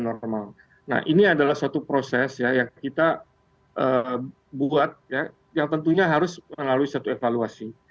nah ini adalah suatu proses ya yang kita buat yang tentunya harus melalui satu evaluasi